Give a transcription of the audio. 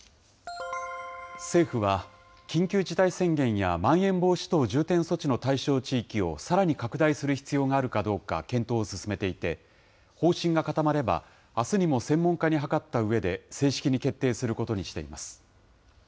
政府は緊急事態宣言やまん延防止等重点措置の対象地域をさらに拡大する必要があるかどうか検討を進めていて、方針が固まれば、あすにも専門家に諮ったうえで、正式に決定することにしています。